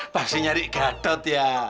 pasti nyari gadot ya